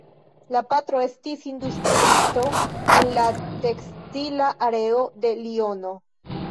La patro estis industriisto en la tekstila areo de Liono.